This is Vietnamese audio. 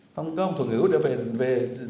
không có một thuận hữu để về